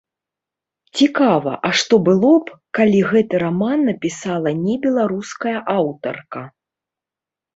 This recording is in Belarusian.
Цікава, а што было б, калі гэты раман напісала не беларуская аўтарка?